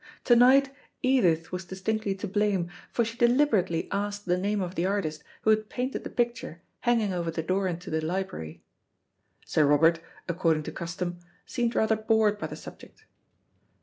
To night Edith was distinctly to blame, for she deliberately asked the name of the artist who had painted the picture hanging over the door into the library. Sir Robert, according to custom, seemed rather bored by the subject.